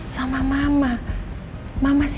sama mama juga sus